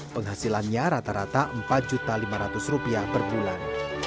penghasilannya rata rata rp empat lima ratus per bulan